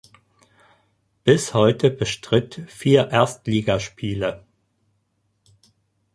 Bis heute bestritt vier Erstligaspiele.